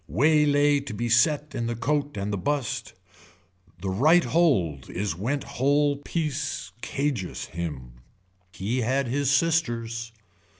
Way lay to be set in the coat and the bust. The right hold is went hole piece cageous him. He had his sisters.